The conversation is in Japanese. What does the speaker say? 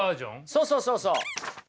そうそうそうそう。